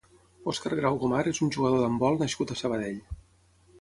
Òscar Grau Gomar és un jugador d'handbol nascut a Sabadell.